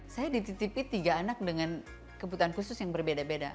saya dititipi tiga anak dengan kebutuhan khusus yang berbeda beda